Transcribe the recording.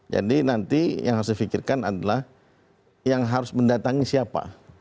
jadi nanti yang harus difikirkan adalah yang harus mendatangi siapa